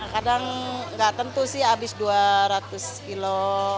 kadang nggak tentu sih habis dua ratus kilo